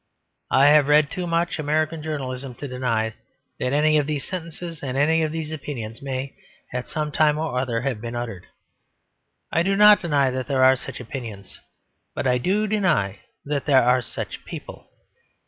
I have read too much American journalism to deny that any of these sentences and any of these opinions may at some time or other have been uttered. I do not deny that there are such opinions. But I do deny that there are such people.